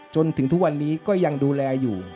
จนถึงทุกวันนี้ก็ยังดูแลอยู่